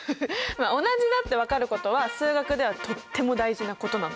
まあ同じだって分かることは数学ではとっても大事なことなの。